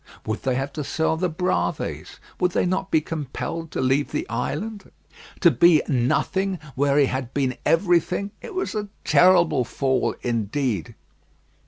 Would they have to sell the Bravées? Would they not be compelled to leave the island? To be nothing where he had been everything; it was a terrible fall indeed.